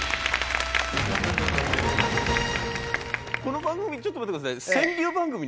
この番組ちょっと待ってください。